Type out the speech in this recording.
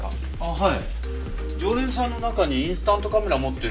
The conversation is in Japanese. はい。